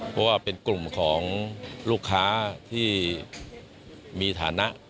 เพราะว่าเป็นกลุ่มของลูกค้าที่มีฐานะ